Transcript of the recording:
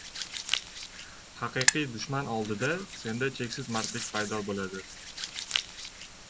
Haqiqiy dushman oldida senda cheksiz mardlik paydo bo‘ladi.